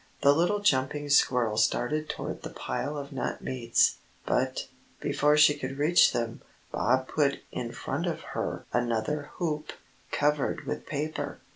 The little jumping squirrel started toward the pile of nut meats, but, before she could reach them, Bob put in front of her another hoop, covered with paper.